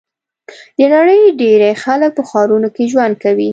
د نړۍ ډېری خلک په ښارونو کې ژوند کوي.